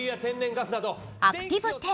「アクティブ１０